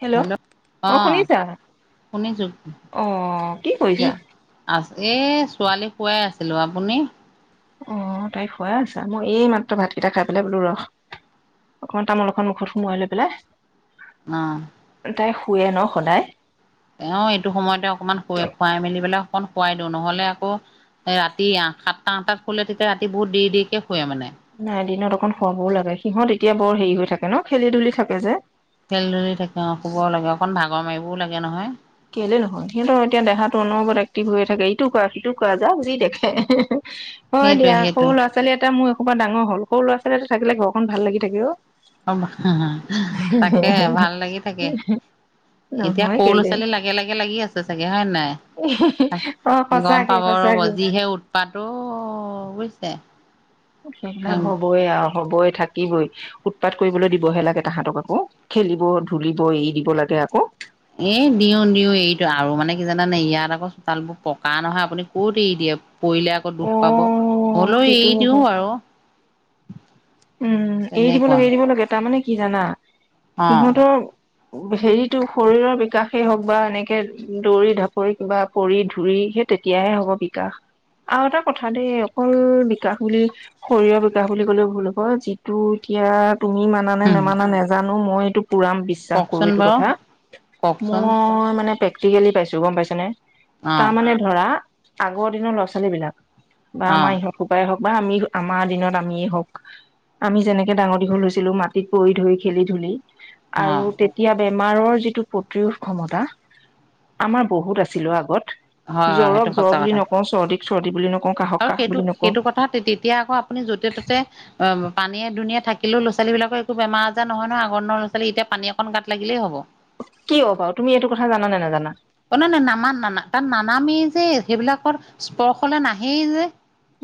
Hello অ শুনিছা? শুনিছো অহ কি কৰিছা? এ ছোৱালী শুৱাই আছিলো। আপুনি? অ তাই শুৱাই আছা মই এই মাত্ৰ ভাতকেইটা খাই পেলাই বোলো ৰ অকমান তামোল এখন মুখত সোমাই লৈ পেলাই অহ। তাই শুৱে ন সদায়? এও এইটো সময়তে অকমান শুয়ে খুৱাই মেলি পেলাওঁ অকন খুৱাই দিওঁ নহ'লে আকৌ এ ৰাতি সাতটা আঠটাত খোলে তেতিয়া ৰাতি বহুত দেৰি-দেৰিকে শুৱে মানে। নাই দিনত অকণ সুৱাবও লাগে সিহঁত এতিয়া বৰ হেৰি হৈ থাকে ন'খেলি ধুলি থাকে যে। খেল ধলি থাকে অ, শুব লাগে অকন ভাগৰ মাৰিবও লাগে নহয়। কেলে নহয় সিহঁতৰ এতিয়া দেহাটো অনবৰত এক্টিভ হৈয়ে থাকে ইটো কৰা সিটো কৰা যাক যি দেখে হয় দিয়া সেইটোৱে সেইটোৱে সৰু ল'ৰা-ছোৱালী এটা মোৰ একসোবা ডাঙৰ হ'ল সৰু ল'ৰা-ছোৱালী এটা থাকিলে ঘৰখন ভাল লাগি থাকে অ, [unintelligible] তাকে ভাল লাগি থাকে। এতিয়া নহয় সৰু কেলে ল'ৰা-ছোৱালী লাগে-লাগে লাগি আছে চাগে হয় নাই? অ, গম সঁচাকে পাব ৰব সঁচাকে যিহে উৎপাতো বুইছে? সেইবিলাক হ'বই আৰু হ'বই। থাকিবই উৎপাত কৰিবলৈ দিবহে লাগে তাহাঁতক আকৌ খেলিব ধুলিব এৰি দিব লাগে আকৌ এ দিও দিও এইটো আৰু মানে জানানে ইয়াত আকৌ চোতালবোৰ পকা নহয় আপুনি ক'ত এৰি দিয়ে পৰিলে আকৌ অ দুখ পাব। হ'লেও এৰি সেইটোও দিওঁ হয় আৰু। উম, এৰি দিব তেনেকুৱা লাগে এৰি দিব লাগে তাৰমানে কি জানা অ সিহঁতৰ হেৰিটো শৰীৰৰ বিকাশেই হওক বা এনেকে দৌৰি ধঢাপৰি কিবা পৰি ধুৰি সেই তেতিয়াহে হ'ব বিকাশ। আৰু এটা কথা দেই অকল বিকাশ বুলি শৰীৰৰ বিকাশ বুলি ক'লেও যিটো এতিয়া তুমি মানা নে নেমানা নেজানো মই এইটো পুৰাম বিশ্বাস কৰো কওকচোন এইটো বাৰু কথা মই কওকচোন মানে প্ৰেক্টিকেলি পাইছো গম পাইছানে। অ তাৰ মানে ধৰা আগৰ দিনৰ ল'ৰা-ছোৱালীবিলাক বা অ আমাৰ ইহঁত সোপায়ে হওক বা আমি আমাৰ দিনত আমিয়ে হওক আমি যেনেকে ডাঙৰ দীঘল হৈছিলো মাটিত পৰি ধই খেলি ধুলি অ আৰু তেতিয়া বেমাৰৰ যিটো প্ৰতিৰোধ ক্ষমতা আমাৰ বহুত আছিল অ আগত। হয় হয় জ্বৰক সেইটো জ্বৰ সঁচা বুলি কথা নকওঁ চৰ্দিক চৰ্দি বুলি নকওঁ কাহক আৰু কাহ সেইটো বুলি নকওঁ সেইটো কথা তেতিয়া আকৌ আপুনি য'তে ত'তে অ পানীয়ে দুনীয়ে থাকিলেও ল'ৰা-ছোৱালীবিলাকৰ একো বেমাৰ আজাৰ নহয় ন আগৰ দিনৰ ল'ৰা- ছোৱালী এতিয়া পানী অকন গাত লাগিলেই হ'ব। কি হ'ব বাৰু তুমি এইটো কথা জান নে নাজানা অ নাই নাই নামা নানা তাত নানামেই যে সেইবিলাকৰ স্পৰ্শলে নাহেই যে।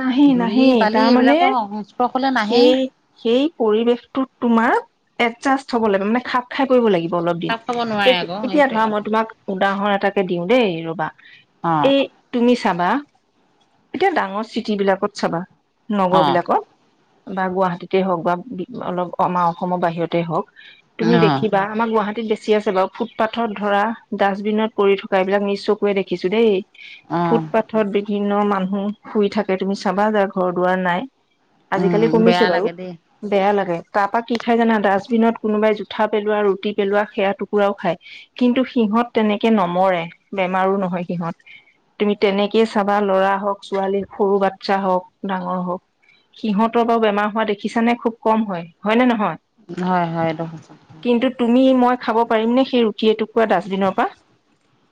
নাহি, ধূলি নাহি বালি তাৰমানে এইবিলাকৰ সংস্পৰ্শলৈ নাহেই। সেই সেই পৰিৱেশটোত তোমাৰ এডজাষ্ট হ'ব লাগিব মানে খাপ খাই কৰিব লাগিব অলপ দিন খাপ খাব নোৱাৰে আকৌ এতিয়া সেইটোৱে ধৰা মই কথা। তোমাক উদাহৰণ এটা দিওঁ দেই ৰবা অ', এই তুমি চাবা এতিয়া ডাঙৰ চিটি বিলাকত চাবা নগৰ অ', বিলাকত। বা গুৱাহাটীতে হওক বা অলপ আমাৰ অসমৰ বাহিৰতে হওক তুমি অ', দেখিবা আমাৰ গুৱাহাটী বেছি আছে বাৰু ফুটপাথত ধৰা ডাষ্টবিনত পৰি থকা এইবিলাক নিজ চকুৰে দেখিছো দেই। অ', ফুটপাথত বিভিন্ন মানুহ শুই থাকে তুমি চাবা যাৰ ঘৰ দুৱাৰ নাই উম, আজিকালি বেয়া কমিছে বাৰু লাগে দেই। বেয়া লাগে। তাৰপা কি খাই জানা ডাষ্টবিনত কোনোবাই জোঠা পেলোৱা ৰুটি পেলোৱা সেয়া টুকুৰাও খায় কিন্তুি সিহঁত তেনেকে নমৰে বেমাৰো নহয় সিহঁত। তুমি তেনেকেই চাবা ল'ৰা হওক ছোৱালী সৰু বাচ্ছা হওক ডাঙৰ হওক। সিহঁতৰ বাৰু বেমাৰ হোৱা দেখিছানে খুব কম হয়, হয়, নে নহয় হয় হয় এইটো সচাঁ। কিন্তু তুমি মই খাব পাৰিম নে সেই ৰুটি এটুকুৰা দাষ্ট দিনৰ পৰা?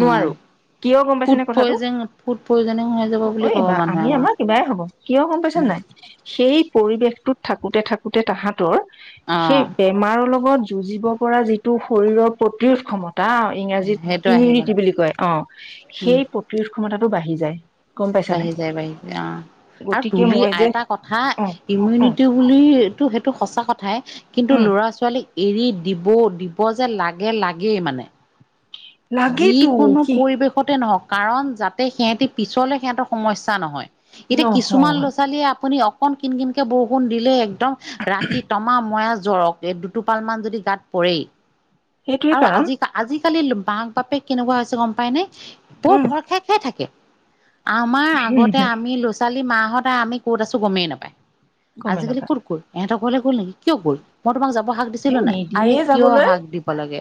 উম, নোৱাৰো কিয় গম ফুড পাইছেনে কথাটো? পয়জন ফুড পয়জনিং হৈ যাব বুলি ক'ব মানুহে আমি আকৌ। আমাৰ কিবাই হব কিয় গম পাইছা উম, নাই সেই পৰিৱেশটোত থাকোতে থাকোতে তাহাত সেই অ', বেমাৰৰ লগত যুঁজিব পৰা যিটো শৰীৰৰ প্ৰতিৰোধ ক্ষমতা টা সেইটো ইংৰাজীত আহি গ'ল ইমিউনিটি বুলি কয় অ উম, সেই প্ৰতিৰোধ ক্ষমতাটো বাঢ়ি যায়। গম পাইছা নে। বাঢ়ি যায় অ',। আৰু তুলি আইটা কথা অ অ ইমিউনিটি বুলিটো সেইটো সঁচা কথাই কিন্তু উম ল'ৰা-ছোৱালীক এৰি দিব দিব যে লাগে লাগেই মানে। লাগেতো যিকোনো সি পৰিৱেশতে নহওক কাৰণ যাতে সেহেতি পিছলে সেহেতৰ সমস্যা নহয়। এতিয়া কিছুমান নহয় ল'ৰাোৱালীয়ে আপুনি অকন কিন কিনকে বৰষুণ দিলে একদম ৰাতি তমা ময় জ্বৰক এই দুটোপাল মান যদি গাত পৰেই সেইটোৱে আৰু কাৰণ আজি আজিকালি মা বাপেক কেনেকুৱা হৈছে গম পায় নে? বোৰ উম ভৰ খাই, খাই থাকে আমাৰ হম আগতে হম আমি ল'ৰা-ছোৱালী মাহঁত আমি ক'ত আছো গমেই নাপায়। গমেই আজিকালি নাপায় ক'ত গ'ল, ইহঁতৰ ঘৰলে গ'ল নেকি, কিয় গ'ল মই তোমাক যাব হাক এ দিছিলো নাই আৰে নিদিয়ে কিয় যাবলৈ হাক দিব লাগে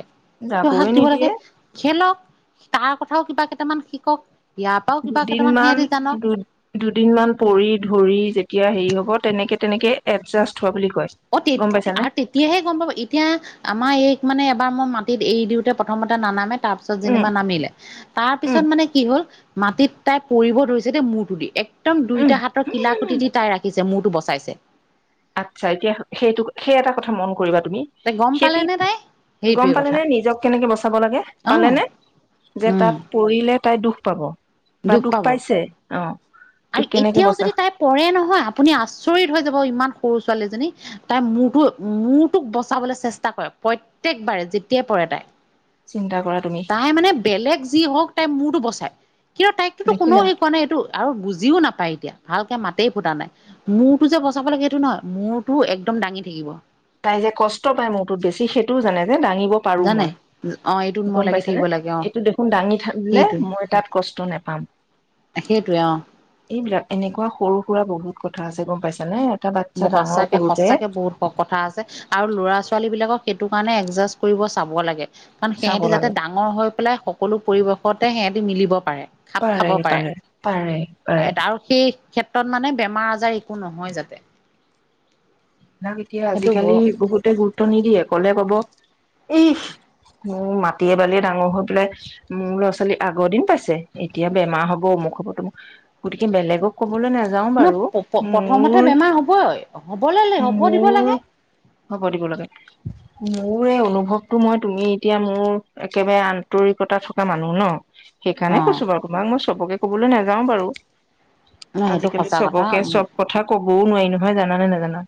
কিয় হাক যাবই দিব নিদিয়ে লাগে। খেলক তাৰ কথাও কিবা কেইটামান শিকক। ইয়াৰ পৰাও কিবা কেইটামান দুদিনমান সিহঁতি জানক দু দুদিনমান পৰি ধৰি যেতিয়া হেৰি হ'ব তেনেকে তেনেকে এডজাষ্ট হোৱা বুলি ক অ তে আৰু তেতিয়াহে গম পাবা এতিয়া আমাৰ এই মানে এবাৰ মই মাটিত এৰি দিওঁতে প্ৰথমতে নানামে তাৰপিছত উম যেনিবা নামিলে তাৰ উম পিছত মানে কি হ'ল মাটিত তাই পৰিব ধৰিছে দেই মূৰটো দি একদম উম দুইটা হাতৰ কিলাকুটি দি তাই ৰাখিছে মূৰটো বচা চাইছে। আচছা এতিয়া সেইটো সেই এটা কথা মন কৰিবা তুমি তাই গম পালে সেইটোত নে তাই গম সেইটোৱে পালে কথা নে নিজক কেনেকে বচাব লাগে অ পালেনেে যে উম তাত পৰিলে তাই দুখ খ পাব বা দুখ পাইছে অ তোক আৰু কেনেকে এতিয়াও বচা যদি তাই পৰে নহয় আপুনি আচৰিত হৈ যাব ইমান সৰু ছোৱালীজনী তাই মোৰতো মৰটোক বচাবলৈ চেষ্টা কৰে প্ৰত্যেকবাৰে যেতিয়াই পৰে কটাই চিন্তা কৰা তুমি তাই মানে বেলেগ যি হওক তাই মোৰটো বচায়। কিন্তু তাইকতো কোনও দেখিলা শিকোৱা নাই এইটো আৰু বুজ বজিও নাপায় এতিয়া ভালকে মাতে ফুটা নাই মূৰটো যে বচাব লাগে সেইটো নহয় মূৰটো একদম দাঙি থাকিব তাই যে কষ্ট পায় মোৰটোত বেছি সেইটোও জানে। দাঙিব পাৰো জানে মই অ এইটোত মই গম লাগি পাইছ নে, থাকিব লাগে অ এইটো দেখোন দাঙি থাকিলে সেইটোৱে মই তাত কছ কষ্ট নোপাম সেইটোৱে অ। এনেকুৱা সৰু সুৰা বহুত কথা আছে গম পাইছ নে, এটা বাচ্ছা ডাঙৰ সঁচাকে কৰোতে। সঁচাকে বহুত কথা আছে আৰু ল'ৰা-ছোৱালীবিলাকক সেইটো কাৰণে একজাষ্ট কৰিব চাব লাগে। কাৰণ চাব সিহঁতি যাতে লাগে ডাঙৰ হৈ পেলাই সকলো পৰিৱেশতে সিহতি মিলিব পাৰে খাপ খাব পাৰে আৰু সেই ক্ষেত্ৰ তাত মানে বেমাৰ আজাৰ একো নহয় যাতে সেইবিলাক এতিয়া সেইটো আজিকালি বহুতে গুৰুত্ব নিদিয়ে ক'লে ক'ব এই উ মাটি বালিয় ডাঙৰ হৈ পেলাই উম ল'ৰা ছোৱালী আগৰ দিন পাইছে এতিয়া বেমাৰ হ'ব। হ'বো গতিকে বেলেগক ক'বলৈ নাযাও ন বাৰু প্ৰথমতে মোৰ বেমাৰ হ'বই হ'বলৈ হ'ব দিব মোৰ লাগে হ'ব দিব লাগে। মোৰ এই অনুভৱটো মই তুমি এতিয়া মোৰ একেবাৰে আন্তৰিকতা থকা মানুহ ন অ সেইকাৰণে কৈছো বাৰু তোমাক মই চবকে ক'বলৈ নাযাওঁ বাৰু ন সেইটো আজিকালি সঁচা কথা চবকে চব কথা কবওঁ নোৱাৰি নহয় জানানে নাজানা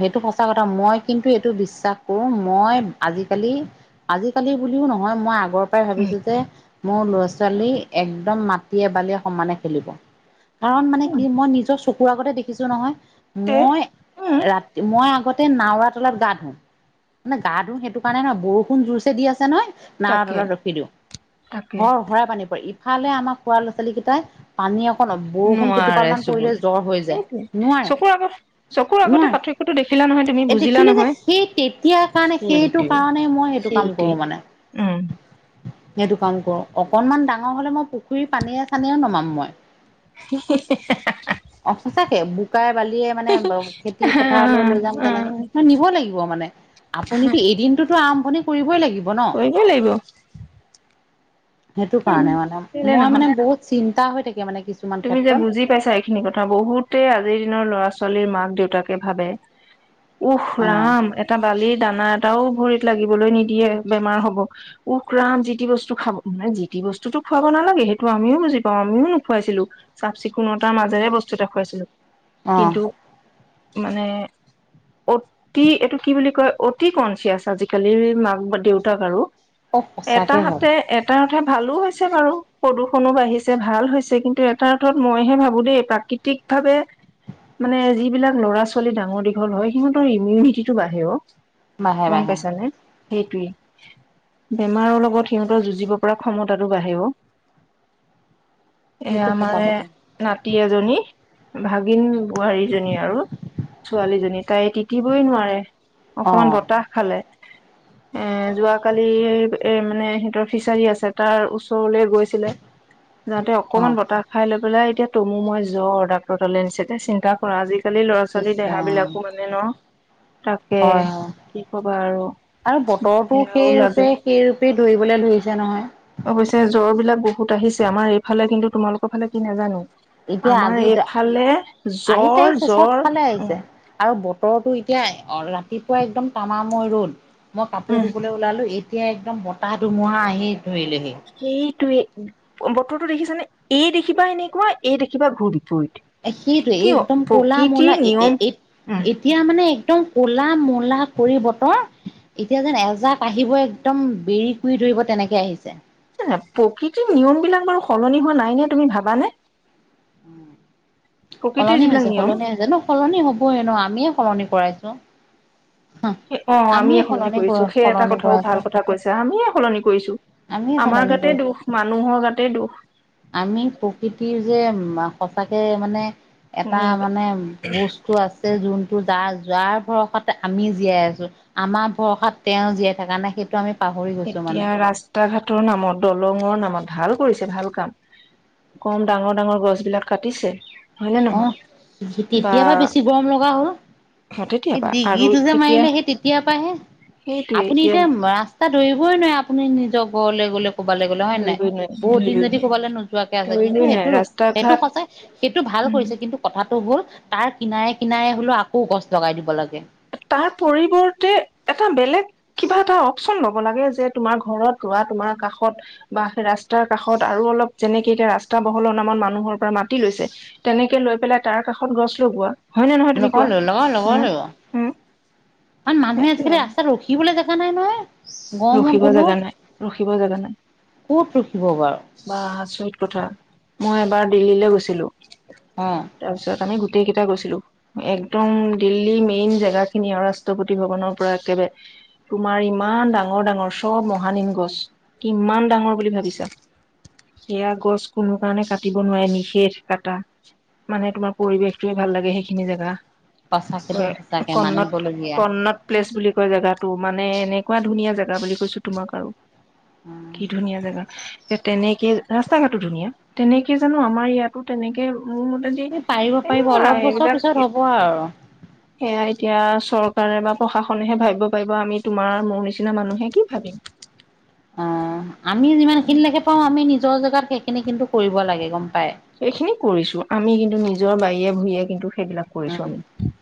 সেইটো সঁচা কথা মই কিন্তু এইটো বিশ্বাস কৰো মই আজিকালি আজিকালি বুলিও নহয় মই আগ আগৰ পৰাই উম। ভাবিছো যে মোৰ ল'ৰা-ছোৱালী একদম মাটিয়ে, বালিয়ে সমানে খেলিব। কাৰণ মানে উম কি মই নিজৰ চকুৰ আগতে দেখিছো নহয় তে মই উম ৰাতি মই আগতে নাৱা তুলাত গা ধো মানে গা ধুওঁ সেইটো কাৰণে নহয় বৰষুণ জোৰছে দি আছে নহয় নাৰৰ তাকে। তলত ৰখি দিওঁ তাকে। হৰ হ ৰাইপানী পৰে ই ইফালে আমাৰ খুৰা ল'ৰা-ছোৱালীকেইটাই পানী অ বৰষুণ কেইটোপাল নোৱাৰে মান পৰিলে চুবলৈ জ্বৰ হৈ যায় সেইটোৱে নোৱাৰে চকুৰ আগত চকুৰ আগতে নহয় পাৰ্থক্যটো দেখিলা নহয় তুমি এই বুজিলা দেখিলো যে নহয় সেই তেতিয়াৰ কাৰণে সেইটো সেইটোৱে কাৰণে মই সেইটো কাম সেইটোৱে। কৰো কৰ মানে উম সেইটো কাম কৰো অকনমান ডাঙৰ হলে মই পুখুৰীৰ পানীয়ে চানীয়েও নমাম মই। অ সচাকে বোকাই বালিয়ে মানে খেতি পথাৰলৈ লৈ যাম অ তেনেকে ম নিব লাগিব মানে আপুনিতো এদিনতোত আৰম্ভণি কৰিবই লাগি কৰিব লাগিব সেইটো উম। কাৰণে মানে কেলে মই মানে নহয় বহুত চিন্তা হৈ থাকে মানে কিছুমান তুমি যে ক্ষেত্ৰত বুজি পাইছা এখিনি কথা বহুতে আজিৰ দিনৰ ল'ৰা ছোৱালীৰ মাক দেউতাকে ভাবে উহ অ ৰাম এটা বালিৰ দানাত এটাও ভৰিত লাগিবলৈ নিদিয়ে বেমাৰ হব উফ ৰাম যিটি বস্তু খাব মে যি টি বস্তুটো। খুৱাব নালাগে হেটো আমিও বুজি পাওঁ। আমিও নোখুৱাইছিলো। চাফ চিকুণতাৰ মাজেৰে বস্তু দেখুৱাইছিলো অ কিন্তু মানে। অতি এইটো কি বুলি কয় অতি কনচিয়াচ আজিকালিৰ মাক বা দেউতাক আৰু। অ এটা সঁচাকে হয় হাতে এটাৰ কথা। ভালো হৈছে বাৰু প্ৰদূষণো বাঢ়িছে ভাল হৈছে কিন্তু এ এটা অৰ্থত মইহে ভাবোঁ দেই প্ৰাকৃতিক ভাৱে মানে যিবিলাক ল'ৰা ছোৱালী ডাঙৰ দীঘল হয়, সিহঁতৰ ইমিউনিটিটো বাঢ়ে অ'। বাঢ়ে গম বাঢ়ে পাইছানে? সেইটোৱেই বেমাৰৰ লগত সিহঁতৰ যুঁজিব পৰা ক্ষমতাটো বাঢ়ে অ'। [inaudible] এ সেইটো আমাৰ সঁচা কথা নাতি এজনী ভাগিন। বোৱাৰীজনী আৰু ছোৱালীজনী তাই টিকিবই নোৱাৰে অ অকমান বতাহ খালে। এ যোৱাকালি এ মানে সিহঁতৰ ফিচাৰী আছে তাৰ ওচৰলে। গৈছিলে যাতে অ অকমান বতাহ খাই লৈ পেলাই এতিয়া তমু মই জ্বৰ, ডাক্টৰ তালে আনিছে এতিয়া চিন্তা কৰা আজি আজিকালি ইছ ল'ৰা-ছোৱালীৰ দেহা ৰাম বিলাকো মানে ন? তাকে হয় হয় কি ক'বা আৰু। আৰু বতৰটো সেয়াও সেই ৰূপে লাগে। সেই ৰূপে ধৰিবলৈ ধৰিছে নহয়। অৱশ্যে জ্বৰ বিলাক বহুত আহিছে আমাৰ এইফালে কিন্তু। তোমালোকৰ ফালে কি নাজানো। এতিয়া আমাৰ আজি এইফালে আহিছে জ্বৰ আহিছে জ্বৰ চবফালে উম আহিছে আৰু বতৰতো এতিয়া। [unintelligible] ৰাতিপুৱা একদম তামাময় ৰ'দ। মই কাপোৰ উম ধুবলৈ ওলালোঁ এতিয়া একদম বতাহ ধুমুহা আহি ধৰিলেহি। সেইটোৱে ব-বতৰটো দেখিছানে? এই দেখিবা এনেকুৱা, এই দেখিবা ঘূৰ বিপইত। সেইটোৱে একদম কলা মলা এ নিয়ম এ এতিয়া মানে। একদম ক'লা মূলা কৰি বতৰ। এতিয়া যেন এজাক আহিব একদম বেৰি কুই ধৰিব তেনেকে আহিছে। আ প্ৰকৃতিৰ নিয়ম বিলাক বাৰু সলনি হোৱা নাই নে তুমি ভাবানে? উ প্ৰকৃতিৰ সলনি যিবিলাক হৈছে, নিয়ম সলনি হৈছে ন সলনি হ'বই ন আমিয়ে সলনি কৰাইছো। অ আমিয়ে সলনি কৰিছোঁ সেই এটা কথাও ভাল কথা কৈছা আমিয়ে সলনি কৰিছোঁ। আমিয়ে আমাৰ সলনি গাতে কৰিছোঁ। দুখ মানুহৰ গাতে দুখ। আমি প্ৰকৃতিৰ যে। সঁচাকে মানে এটা উম মানে বস্তু আছে জোন যাৰ যাৰ ভৰসাত আমি জীয়াই আছোঁ আমাৰ ভৰসাত তেওঁ জীয়াই থাক নে সেইটো আমি। পাহৰি গৈছোঁ মানে। এতিয়া ৰাস্তা ঘাটৰ নামত দলঙৰ নামত ভাল কৰিছে ভাল কাম। কম ডাঙৰ ডাঙৰ গছ বিলাক কাটিছে। হয়নে অহ নহয় হে বা তেতিয়াপা বেছি গৰম লগা হ'ল। তেতিয়াবা আৰু ডিগ্ৰীটো যে এতিয়া মাৰিলে সেই তেতিয়াৰ পৰাহে আপুনি এতিয়া ৰাস্তাত। ধৰিবই নোৱোৰে আপুনি নিজৰ ঘৰলৈ গ'লে ক'বালৈ গ'লে হয় নে নাই। ধৰিবই নোৱাৰি বহুত দিন ধৰিবই যদি নোৱাৰি ক'বালৈ নোযোৱাকে আছে কিন্তু ধৰিবই হেটো, নোৱাৰি ৰাস্তা হেটো ঘাট সঁচাই সেইটো ভাল উম হৈছে কিন্তু কথাটো হ'ল তাৰ কিনায়ে কিনায়ে হ'লেও আকৌ গছ লগাই দিব লাগে। তাৰ পৰিৱৰ্তে এটা বেলেগ কিবা এটা অপচন ল'ব লাগে যে তোমাৰ ঘৰত ৰোৱা, তোমাৰ কাষত বা সে ৰাস্তাৰ কাষত আৰু অলপ যেনেকে এতিয়া ৰাস্তা বহলৰ নামত মানুহৰ পৰা মাটি লৈছে, তেনেকে লৈ পেলাই তাৰ কাষত গছ লগোৱা। হয় নে নহয় তুমি লগৰ কোৱা লৈ লগৰ লগৰ লৈ উম। উম কাৰণ মানুহে সেইটোয়ে আজিকালি ৰাস্তাত ৰখিবলৈ জেগা নাই নহয়। গৰমত ৰখিব গ'লো জাগা নাই, ৰখিব জাগা নাই। ক'ত ৰখিব বাৰু বা আচৰিত কথা মই এবাৰ দিল্লীলৈ গৈছিলো, অ তাৰপিছত আমি গোটেই কেইটা গৈছিলো। একদম দিল্লী মেইন জেগা খিনি আৰু ৰাষ্ট্ৰপতি ভৱনৰ পৰা একেবাৰে তোমাৰ ইমা ইমান ডাঙৰ ডাঙৰ চব মহানীম গছ, কিমান ডাঙৰ বুলি ভাবিছা। সেয়া গছ কোনো কাৰণে কাটিব নোৱাৰে নিষেধ কাটা। মানে, তোমাৰ পৰিৱেশটোৱে ভাল লাগে সেইখিনি জেগা। সঁচাকে দেই সঁচাকে কন্নত মানিবলগীয়া। কন্নত প্লেচ বুলি জেগাতটো মানে এনেকুৱা ধুনীয়া জেগা বুলি কৈছো তোমাক, আৰু কি ধুনীয়া জেগা। তেনেকে ৰাস্তা-ঘাটো ধুনীয়া তেনেকে জানো আমাৰ ইয়াতো তেনেকে মোৰ মতেদি এই পাৰিব এই পাৰিব মা অলপ বছৰ এইবিলাক পিছত হ'ব আৰু। সেয়াই এতিয়া চৰকাৰে বা প্ৰশাসনেহে ভাবিব পাৰিব আমি তোমাৰ মোৰ নিচিনা মানুহে কি ভাবিম? অ', আমি যিমান খিনিলৈকে পাও আমি নিজৰ জেগাত সেইখিনি কিন্তু কৰিব লাগে গম পায়। সেইখিনি কৰিছো, আমি কিন্তু নিজৰ বাৰীয়ে ভূঞয়ে কিন্তু সেইবিলাক কৰিছো আমি।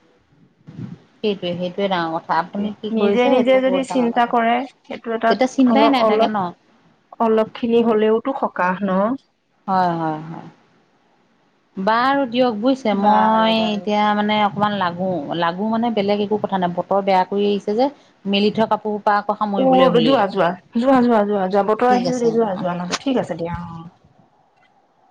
সেইটোৱে, সেইটোৱে। ডাঙৰ কথা সেইটোৱে আপুনি কি নিজে কৰিছে নিজে সেইটো যদি বহুত ডাঙৰ চিন্তা কথা। কৰে সেইটো এটাত তেতিয়া চিন্তাই অলপ নাই থাকে ন অলপ অলপ খিনি হলেওতো সকাহ ন'? হয় হয় হয়। বাৰু দিয়ক বুইছে বাৰু মই বাৰু এতিয়া মানে অক অকমান লাগো লাগো মানে বেলেগ একো কথা নাই বতৰ বেয়া কৰি আহিছে যে মেলি থোৱা কাপোৰ আকৌ সামৰিবলৈ অ', হ'লেই যোৱা যোৱা যোৱা যোৱা যোৱা যোৱা বতৰ ঠিক আহিছিল আছে দে যোৱা অ'। যোৱা নায ঠিক আছে দিয়া অ'। [inaudible]